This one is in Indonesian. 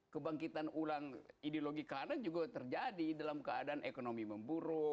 kebangkitan ulang ideologi kanan juga terjadi dalam keadaan ekonomi memburuk